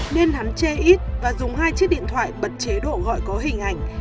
nên hắn che ít và dùng hai chiếc điện thoại bật chế độ gọi có hình ảnh